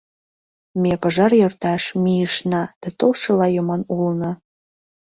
— Ме пожар йӧрташ мийышна да толшыла йомын улына.